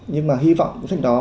nhưng mà hy vọng cuốn sách đó